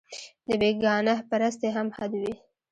د بېګانه پرستۍ هم حد وي